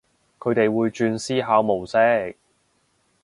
佢哋會轉思考模式